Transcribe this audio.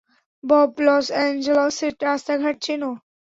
Bob, Los অ্যাঞ্জেলসের রাস্তাঘাট চেনো?